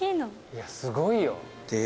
いやすごいよ。